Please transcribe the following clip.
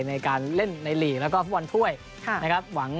ในการเล่นในหลีแล้วก็วันถ้วยนะครับ